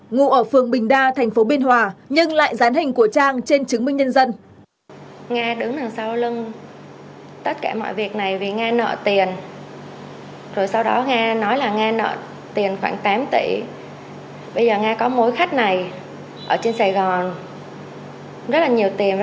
ngụ ở phường bình đa tp biên hòa nhưng lại gián hình của trang trên chứng minh nhân dân